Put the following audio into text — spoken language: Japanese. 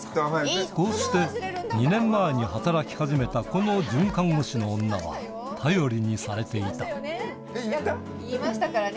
こうして２年前に働き始めたこの准看護師の女は言いましたからね？